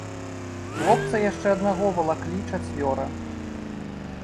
Хлопца яшчэ аднаго валаклі чацвёра.